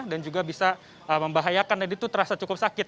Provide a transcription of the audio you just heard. dan juga bisa membahayakan dan itu terasa cukup sakit